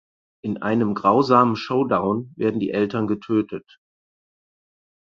In einem grausamen Showdown werden die Eltern getötet.